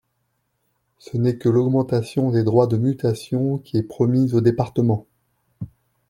Ce n’est que l’augmentation des droits de mutation qui est promise aux départements.